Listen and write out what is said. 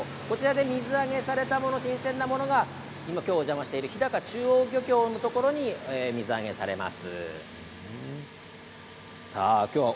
こちらで水揚げされたもの新鮮なものが今、今日お邪魔している日高中央漁協のところに水揚げされます。